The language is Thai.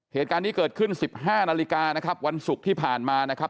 เหตุการณ์นี้เกิดขึ้น๑๕นาฬิกานะครับวันศุกร์ที่ผ่านมานะครับ